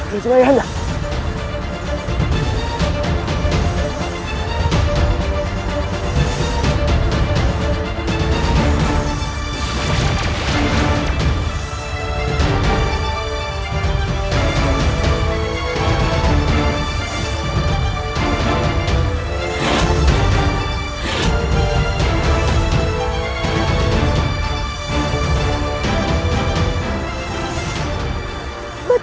biar ayah anda